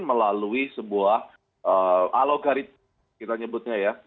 melalui sebuah alogaritma kita sebutnya ya